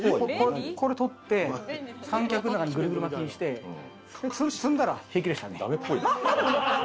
取って、三脚の中にグルグル巻きにして積んだら平気でした。